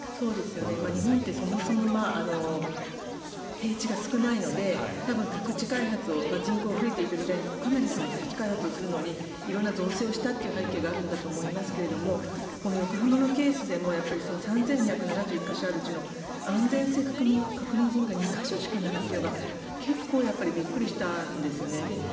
日本ってそもそも平地が少ないので多分、宅地開発を人口が増えていった時代に宅地開発をするのに色んな造成をしたという背景があるんだと思いますがこの横浜のケースでも３２７１か所あるうちの安全性確認済みが２か所しかないというのが結構びっくりしたんですよね。